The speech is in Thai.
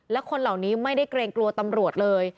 และคนเหล่านี้ไม่ได้เกรงกลัวตำรวจเลย